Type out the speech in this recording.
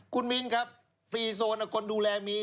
คุณมินครับฟรีโซนคนดูแลมี